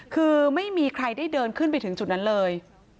คือไม่มีใครได้เดินขึ้นไปถึงจุดนั้นเลย